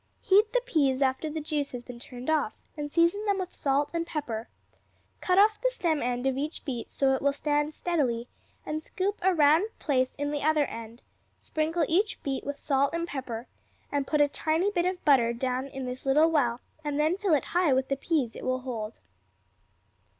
Heat the peas after the juice has been turned off, and season them with salt and pepper. Cut off the stem end of each beet so it will stand steadily, and scoop a round place in the other end; sprinkle each beet with salt and pepper, and put a tiny bit of butter down in this little well, and then fill it high with the peas it will hold.